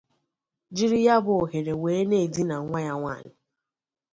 jiri ya bụ ohere were na-edina nwa ya nwaanyị."